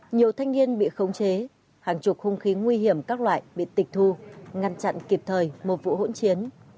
nhiều thanh niên bị khống chế hàng chục hung khí nguy hiểm các loại bị tịch thu ngăn chặn kịp thời một vụ hỗn chiến